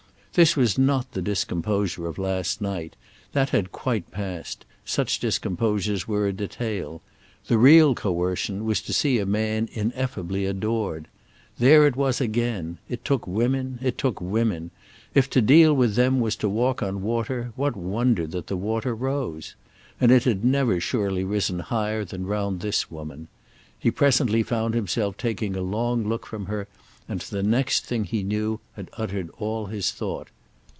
This was not the discomposure of last night; that had quite passed—such discomposures were a detail; the real coercion was to see a man ineffably adored. There it was again—it took women, it took women; if to deal with them was to walk on water what wonder that the water rose? And it had never surely risen higher than round this woman. He presently found himself taking a long look from her, and the next thing he knew he had uttered all his thought.